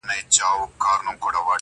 د سپي د نيستيه ئې چغال تناو کړی دئ.